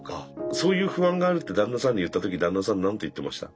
そういう不安があるって旦那さんに言った時旦那さん何て言ってました？